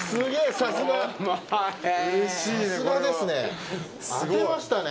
さすがですね。